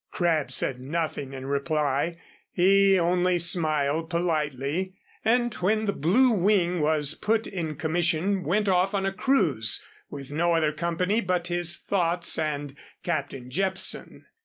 Crabb said nothing in reply. He only smiled politely and when the Blue Wing was put in commission went off on a cruise with no other company but his thoughts and Captain Jepson.